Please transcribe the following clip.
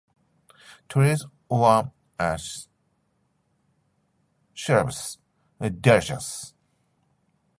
Trees or shrubs, dioecious.